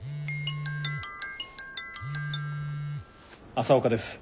朝岡です。